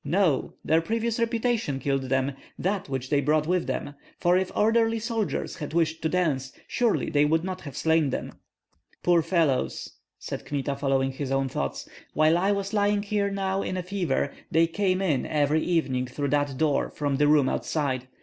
No; their previous reputation killed them, that which they brought with them; for if orderly soldiers had wished to dance, surely they would not have slain them." "Poor fellows!" said Kmita, following his own thoughts, "while I was lying here now in a fever, they came in every evening through that door from the room outside.